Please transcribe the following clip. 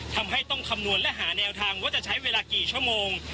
ทำให้ต้องคำนวณและหาแนวทางว่าจะใช้เวลากี่ชั่วโมง